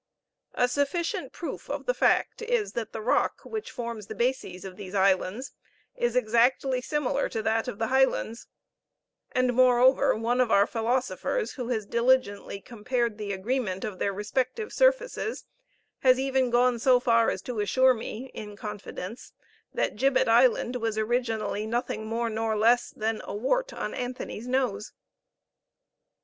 A sufficient proof of the fact is, that the rock which forms the bases of these islands is exactly similar to that of the Highlands; and moreover, one of our philosophers, who has diligently compared the agreement of their respective surfaces, has even gone so far as to assure me, in confidence, that Gibbet Island was originally nothing more nor less than a wart on Anthony's nose.